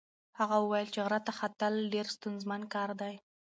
هغه وویل چې غره ته ختل ډېر ستونزمن کار دی.